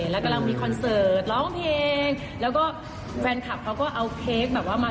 แล้วกำลังมีคอนเสิร์ตร้องเพลงแล้วก็แฟนคลับเขาก็เอาเค้กแบบว่ามา